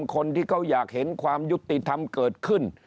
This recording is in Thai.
คนที่เขาอยากเห็นความยุติธรรมเกิดขึ้น